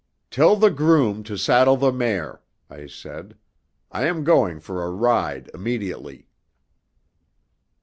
"Tell the groom to saddle the mare," I said. "I am going for a ride immediately."